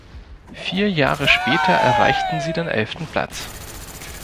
Vier Jahre später erreichten sie den elften Platz.